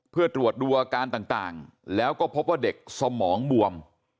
เพื่อตรวจดูอาการต่างแล้วก็พบว่าเด็กสมองบวม